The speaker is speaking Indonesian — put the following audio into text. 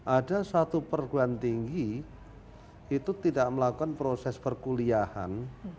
ada satu perguruan tinggi itu tidak melakukan proses perkuliahan